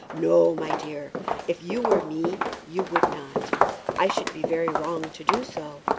"No, my dear; if you were me you would not. I should be very wrong to do so.